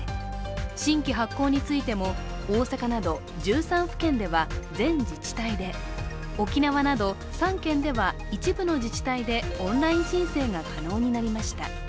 新規発行についても大阪など１３府県では全自治体で、沖縄など３県では一部の自治体でオンライン申請が可能になりました。